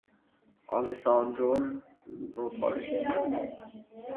Ալեսանդրոն նոտար է։